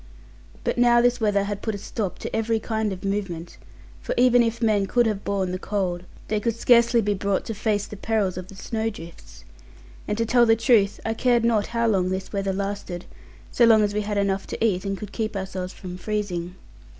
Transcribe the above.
But, of course, this weather had put a stop to every kind of movement; for even if men could have borne the cold, they could scarcely be brought to face the perils of the snow drifts. And to tell the truth I cared not how long this weather lasted, so long as we had enough to eat, and could keep ourselves from freezing.